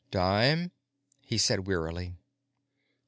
"Dime?" he said wearily.